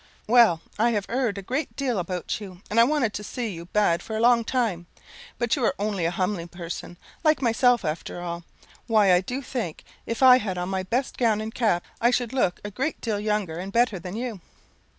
"Well, I have he'rd a great deal about you, and I wanted to see you bad for a long time; but you are only a humly person like myself after all. Why I do think, if I had on my best gown and cap, I should look a great deal younger and better than you."